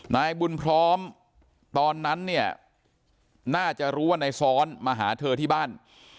นายบุญพร้อมตอนนั้นเนี่ยน่าจะรู้ว่านายซ้อนมาหาเธอที่บ้าน